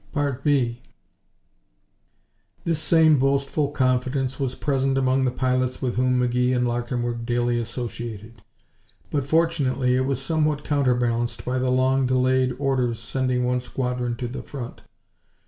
2 This same boastful confidence was present among the pilots with whom McGee and Larkin were daily associated, but fortunately it was somewhat counterbalanced by the long delayed orders sending the squadron to the front.